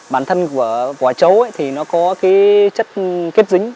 bản thân của vỏ chấu ấy thì nó có cái chất kết dính